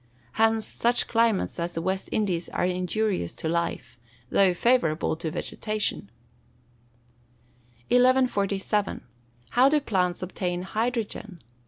Hence such climates as the West Indies are injurious to life, though favourable to vegetation. 1147. _How do plants obtain hydrogen?